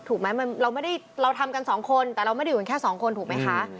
ถูกไหมเราไม่ได้เราทำกันสองคนแต่เราไม่ได้อยู่กันแค่สองคนถูกไหมคะ